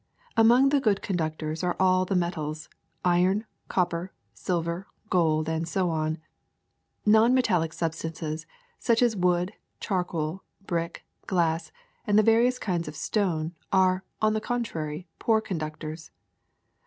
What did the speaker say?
*^ Among the good conductors are all the metals — iron, copper, silver, gold, and so on. Non metallic substances, such as wood, charcoal, brick, glass, and the various kinds of stone, are, on the contrary, poor conductors.